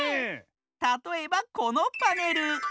たとえばこのパネル。